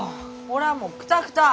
俺はもうくたくた。